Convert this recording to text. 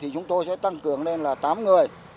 chúng tôi sẽ tăng cường lên là tám người